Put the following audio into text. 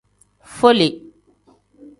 Fole.